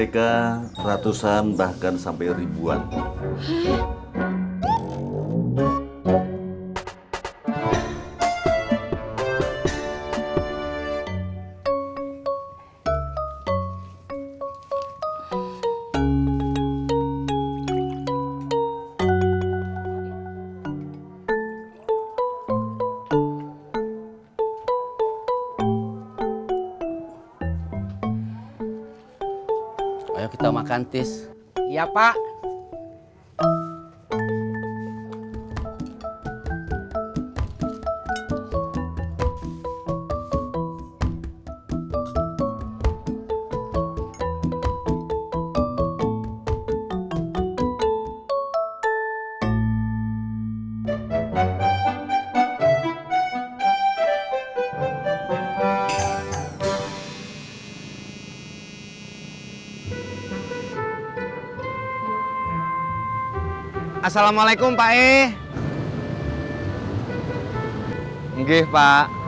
kalau bapak kenapa kenapa